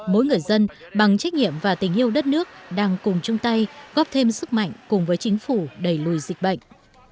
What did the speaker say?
mỗi người dân bằng trách nhiệm và tình yêu đất nước đang cùng chung tay góp thêm sức mạnh cùng với chính phủ đẩy lùi dịch bệnh